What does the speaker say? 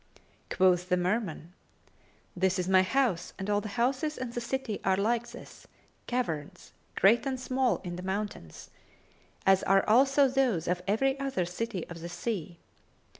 Quoth the Merman, "This is my house and all the houses in the city are like this, caverns great and small in the mountains; as are also those of every other city of the sea.